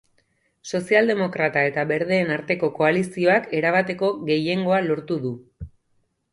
Sozialdemokrata eta berdeen arteko koalizioak erabateko gehiengoa lortu du.